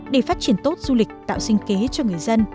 để phát triển tốt du lịch tạo sinh kế cho người dân